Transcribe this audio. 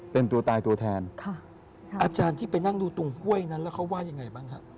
เป็นตัวตายตัวแทนค่ะอาจารย์ที่ไปนั่งดูตรงห้วยนั้นแล้วเขาว่ายังไงบ้างฮะ